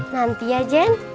nanti ya jen